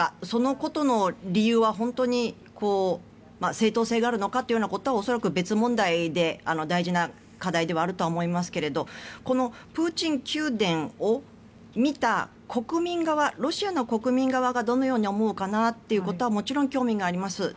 そのことの理由は本当に正当性があるのかということは恐らく別問題で大事な課題ではあると思いますがこのプーチン宮殿を見た国民側ロシアの国民側がどのように思うのかなということにはもちろん興味があります。